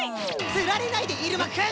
釣られないでイルマくん！